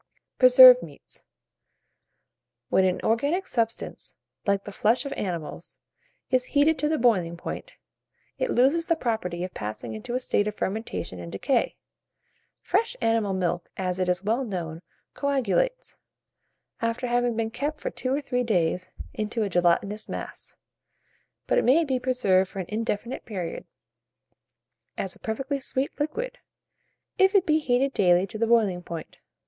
PRESERVED MEATS. When an organic substance, like the flesh of animals, is heated to the boiling point, it loses the property of passing into a state of fermentation and decay. Fresh animal milk, as is well known, coagulates, after having been kept for two or three days, into a gelatinous mass; but it may be preserved for an indefinite period, as a perfectly sweet liquid, if it be heated daily to the boiling point.